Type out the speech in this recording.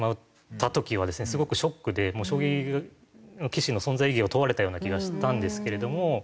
すごくショックでもう将棋の棋士の存在意義を問われたような気がしたんですけれども。